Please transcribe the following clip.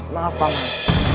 maaf pak man